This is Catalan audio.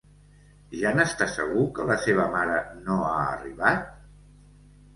Ja n'està segur que la seva mare no ha arribat?